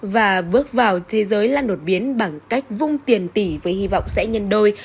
và bước vào thế giới lan lột biến bằng cách vung tiền tỷ với hy vọng sẽ nhân đôi